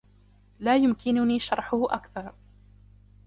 لا يمكنني شرحهُ أكثر.